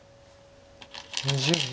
２０秒。